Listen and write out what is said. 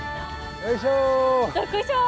よいしょ！